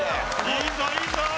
いいぞいいぞ！